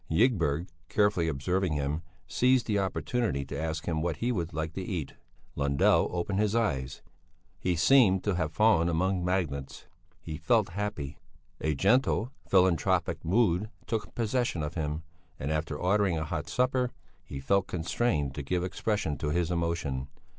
Ygberg, carefully observing him, seized the opportunity to ask him what he would like to eat. Lundell opened his eyes; he seemed to have fallen among magnates. He felt happy; a gentle, philanthropic mood took possession of him, and after ordering a hot supper, he felt constrained to give expression to his emotion.